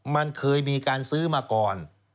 มันเคยมีการซื้อมาก่อน